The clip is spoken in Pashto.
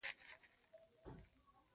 تېرو وچکالیو کابل ولایت سخت زیانمن کړ